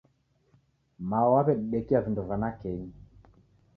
Mao w'aw'edidekia vindo va nakenyi